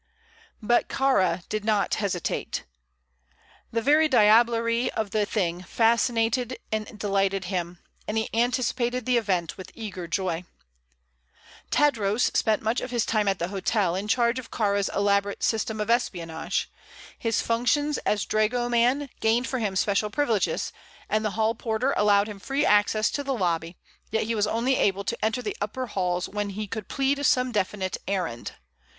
But Kāra did not hesitate. The very diablerie of the thing fascinated and delighted him, and he anticipated the event with eager joy. Tadros spent much of his time at the hotel, in charge of Kāra's elaborate system of espionage. His functions as dragoman gained for him special privileges, and the hall porter allowed him free access to the lobby; yet he was only able to enter the upper halls when he could plead some definite errand.